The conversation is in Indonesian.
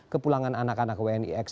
kepulangan anak anak wni x